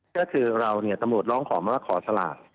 ก็คือเราเนี่ยตำรวจร้องขอมาว่าขอสลาก